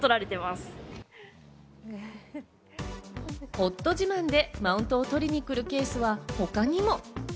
夫自慢でマウントを取りに来るケースが他にも。